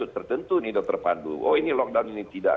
tertentu nih dokter pandu oh ini lockdown ini tidak